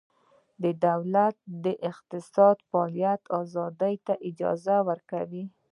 دولت د ملي اقتصادي فعالیت ازادۍ ته اجازه ورکوي